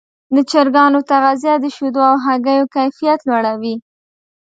د چرګانو تغذیه د شیدو او هګیو کیفیت لوړوي.